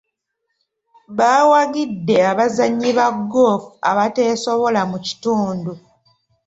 Baawagidde abazannyi ba goofu abateesobola mu kitundu.